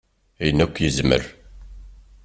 Ayen akk i yezmer.